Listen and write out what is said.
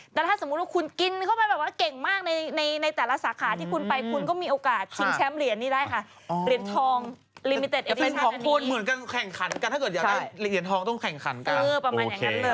แต่ถ้าสมมุติว่าคุณกินเข้าไปแบบว่าเก่งมาก